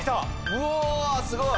うわすごい。